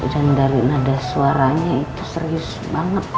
dan dari nada suaranya itu serius banget gigi